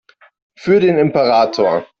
Für den Imperator!